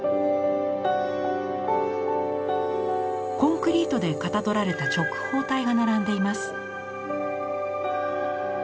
コンクリートでかたどられた直方体が並んでいます。